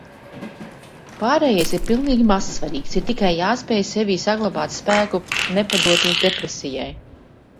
Pārējais ir pilnīgi mazsvarīgs, ir tikai jāspēj sevī saglabāt spēku nepadoties depresijai.